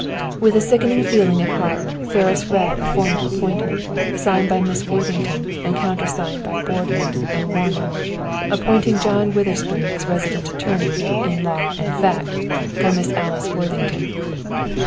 With a sickening feeling at heart, Ferris read a formal appointment, signed by Miss Worthington, and countersigned by Boardman and Warner, appointing John Witherspoon as resident attorney, in law and fact, for Miss Alice Worthington.